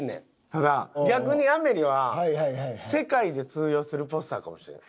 ただ逆に『アメリ』は世界で通用するポスターかもしれん。